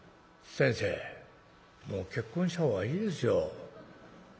「先生もう結婚した方がいいですよ。